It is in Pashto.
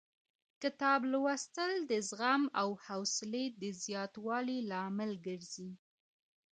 کتاب لوستل د زغم او حوصلې د زیاتوالي لامل ګرځي.